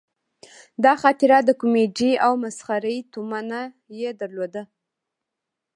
دا خاطره د کومیډي او مسخرې تومنه یې درلوده.